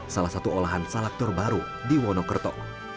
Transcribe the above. salah satu olahan salak terbaru di wonogerto